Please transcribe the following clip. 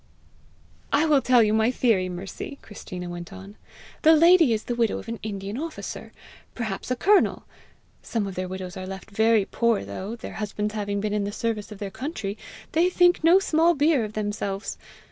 "I will tell you my theory, Mercy!" Christina went on. "The lady is the widow of an Indian officer perhaps a colonel. Some of their widows are left very poor, though, their husbands having been in the service of their country, they think no small beer of themselves!